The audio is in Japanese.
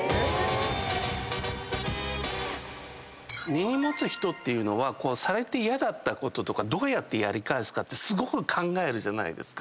根に持つ人っていうのはされて嫌だったこととかどうやってやり返すかってすごく考えるじゃないですか。